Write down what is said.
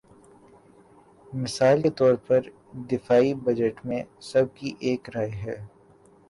مثال کے طور پر دفاعی بجٹ میں سب کی ایک رائے ہے۔